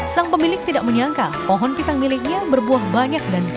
sang pemilik tidak menyangka pohon pisang miliknya berbuah banyak dan panas